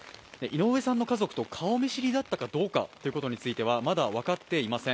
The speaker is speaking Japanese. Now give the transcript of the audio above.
井上さんの家族と顔見知りだったかどうかについてはまだ分かっていません。